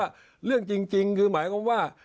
เรื่องจริงคือหมายความว่า